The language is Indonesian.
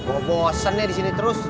ah gue bosen ya di sini terus